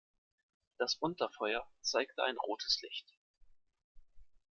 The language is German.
Das Unterfeuer zeigte ein rotes Licht.